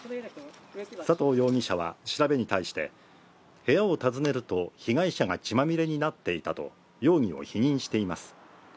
佐藤容疑者は調べに対して、部屋を訪ねると、被害者が血まみれになっていたと、容疑を否認しています。